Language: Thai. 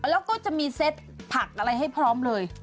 แล้วก็จะมีเซ็ตผักอะไรให้พร้อมเลย